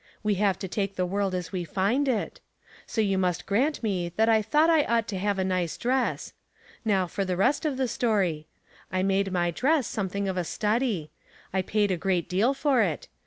We have to take the world as we find it. So you must grant me that I thought I ought to have a nice dress. Now for the rest of 286 Household Puzzles, the story. I made my dress son)ething of a study. I paid a great deal for it.